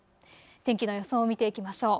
天気の予想を見ていきましょう。